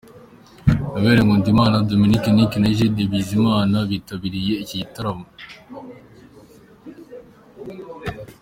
Noel Nkundimana, Dominic Nic na Egide Bizima bitabiriye iki gitaramo.